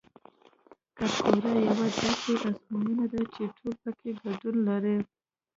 کانکور یوه داسې ازموینه ده چې ټول پکې ګډون لري